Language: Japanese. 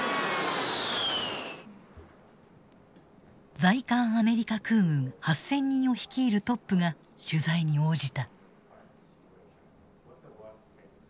在韓アメリカ空軍８，０００人を率いるトップが取材に応じた。